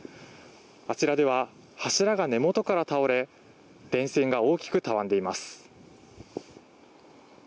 あちらでは柱が根元から倒れ電線が大きくたわんでいます。